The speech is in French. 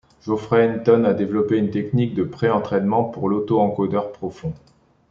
Geoffrey Hinton a développé une technique de pré-entrainement pour l'auto-encodeur profond.